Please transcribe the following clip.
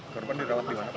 berapa dirawat di rumah sakit